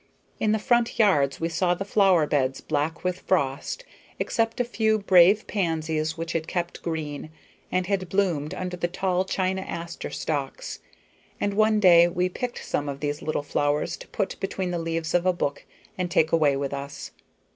In the front yards we saw the flower beds black with frost, except a few brave pansies which had kept green and had bloomed under the tall china aster stalks, and one day we picked some of these little flowers to put between the leaves of a book and take away with us.